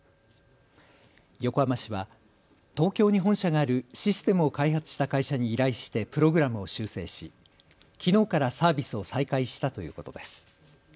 横浜市は東京に本社があるシステムを開発した会社に依頼してプログラムを修正しきのうからサービスを再開したということです。